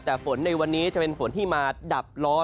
แต่ฝนในวันนี้จะเป็นฝนที่มาดับร้อน